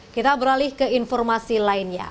kita beralih ke informasi lainnya